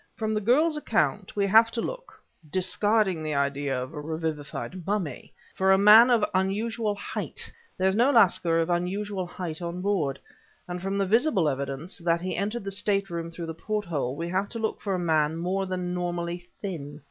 From the girl's account we have to look (discarding the idea of a revivified mummy) for a man of unusual height and there's no lascar of unusual height on board; and from the visible evidence, that he entered the stateroom through the porthole, we have to look for a man more than normally thin.